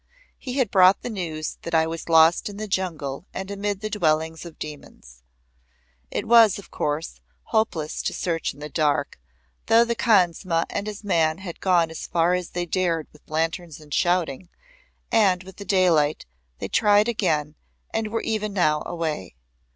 He had brought the news that I was lost in the jungle and amid the dwellings of demons. It was, of course, hopeless to search in the dark, though the khansamah and his man had gone as far as they dared with lanterns and shouting, and with the daylight they tried again and were even now away.